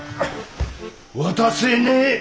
渡せねえ！